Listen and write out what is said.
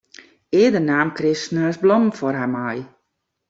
Earder naam Chris sneons blommen foar har mei.